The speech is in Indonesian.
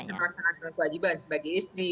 jadi bisa melaksanakan kewajiban sebagai istri